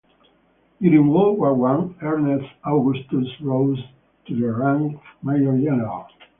During World War One, Ernest Augustus rose to the rank of major-general.